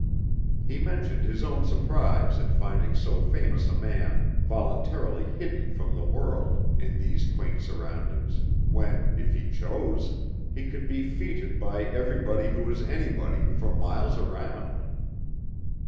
He mentioned his own surprise at finding so famous a man voluntarily hidden from the world, in these quaint surroundings, when, if he chose, he could be fêted by "everybody who was anybody" for miles around.